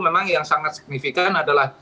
memang yang sangat signifikan adalah